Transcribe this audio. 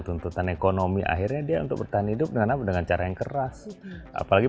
tuntutan ekonomi akhirnya dia untuk bertahan hidup dengan apa dengan cara yang keras apalagi